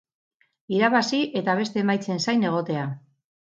Irabazi eta beste emaitzen zain egotea.